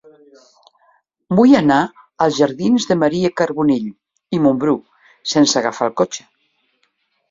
Vull anar als jardins de Maria Carbonell i Mumbrú sense agafar el cotxe.